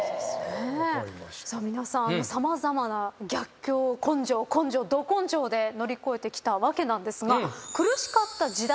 皆さん様々な逆境を根性根性ど根性で乗り越えてきたわけなんですが。